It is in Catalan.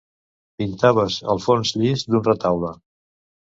Pintaves el fons llis d'un retaule.